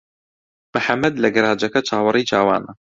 محەممەد لە گەراجەکە چاوەڕێی چاوانە.